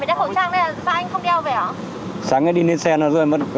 anh ơi sao trong mùa dịch này phải đeo khẩu trang sao anh không đeo về hả